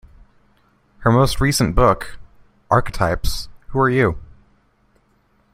Her most recent book, Archetypes: Who Are You?